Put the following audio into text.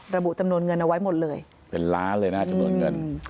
ระบุจำนวนเงินเอาไว้หมดเลยเป็นล้านเลยนะจำนวนเงิน